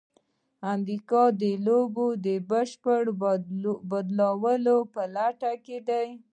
امریکا د لوبې د بشپړ بدلولو په لټه کې ده.